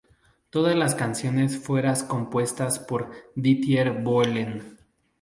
Todas las canciones fueras compuestas por Dieter Bohlen.